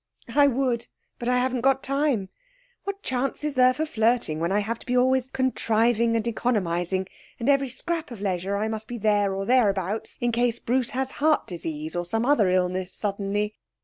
'I would but I haven't got time! What chance is there for flirting when I have to be always contriving and economising, and every scrap of leisure I must be there or thereabouts in case Bruce has heart disease or some other illness suddenly?